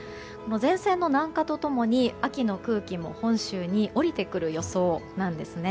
前線の南下と共に秋の空気も本州に降りてくる予想です。